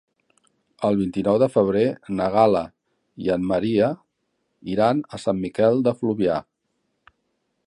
El vint-i-nou de febrer na Gal·la i en Maria iran a Sant Miquel de Fluvià.